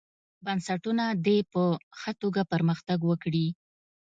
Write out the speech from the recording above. بنسټونه دې په ښه توګه پرمختګ وکړي.